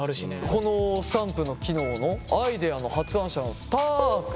このスタンプの機能のアイデアの発案者のたー君。